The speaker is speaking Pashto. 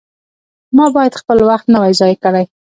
ما باید خپل وخت نه وای ضایع کړی.